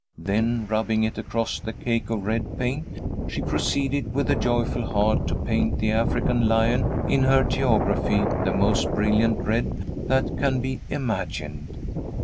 Then rubbing it across the cake of red paint, she proceeded with a joyful heart to paint the African lion in her geography the most brilliant red that can be imagined.